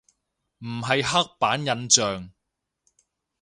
唔係刻板印象